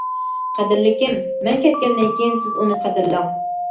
قەدىرلىكىم! مەن كەتكەندىن كىيىن سىز ئۇنى قەدىرلەڭ!